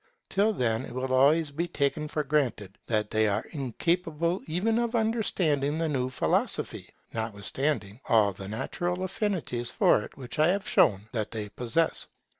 Till then it will always be taken for granted that they are incapable even of understanding the new philosophy, notwithstanding all the natural affinities for it which I have shown that they possess.